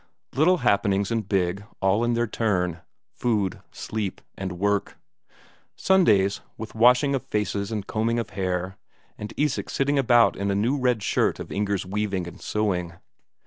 Little happenings and big, all in their turn: food, sleep, and work; Sundays, with washing of faces and combing of hair, and Isak sitting about in a new red shirt of Inger's weaving and sewing.